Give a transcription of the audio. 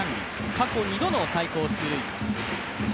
過去２度の最高出塁率。